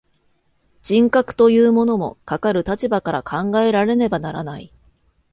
人格というものも、かかる立場から考えられねばならない。